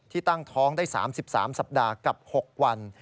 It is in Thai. ตั้งท้องได้๓๓สัปดาห์กับ๖วัน